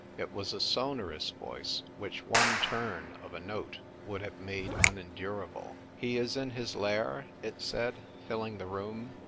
It was a sonor ous voice, which one turn of a note would have made unendurable. "He is in his lair?" it said, filling the room.